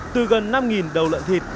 từ gần năm đầu lợn thịt